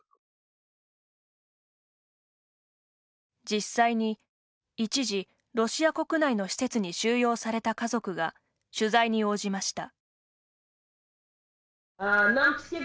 実際に、一時ロシア国内の施設に収容された家族が取材に応じました。